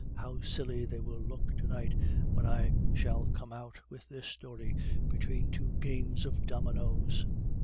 How silly they will look to night when I shall come out with this story between two games of dominoes!